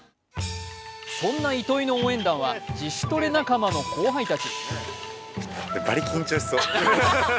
そんな糸井の応援団は自主トレ仲間の後輩たち。